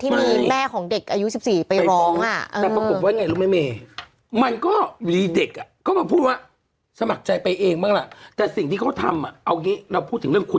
แม่ของเด็กอายุ๑๔ไปร้อง